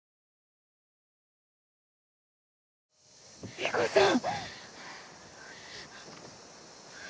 理子さん！